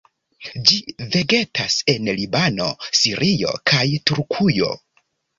Ĝi vegetas en Libano, Sirio, kaj Turkujo.